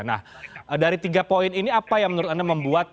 nah dari tiga poin ini apa yang menurut anda membuat